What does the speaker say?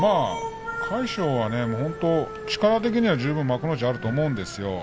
魁勝は力的には十分幕内あると思うんですよね